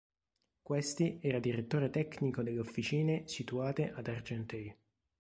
Questi era direttore tecnico delle officine situate ad Argenteuil.